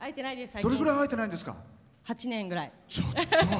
どのくらい会えてないんですか？